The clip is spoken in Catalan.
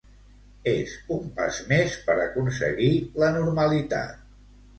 És un pas més per aconseguir la normalitat.